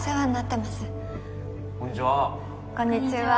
父がこんにちは！